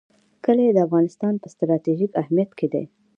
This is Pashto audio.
کلي د افغانستان په ستراتیژیک اهمیت کې دي.